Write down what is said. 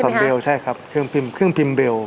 เป็นอักษรเบลใช่ครับเครื่องพิมพ์เบล